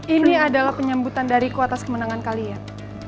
ini adalah penyambutan dariku atas kemenangan kalian